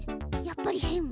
やっぱり変？